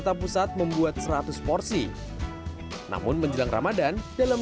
yang sakita pusat membuat seratus porsi namun menjelang ramadan dalam